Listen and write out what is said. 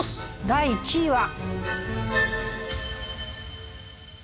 第２位は。